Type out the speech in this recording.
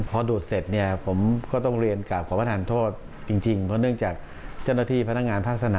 พอดูดเสร็จผมก็ต้องเรียนกลับขอบธันโทษจริง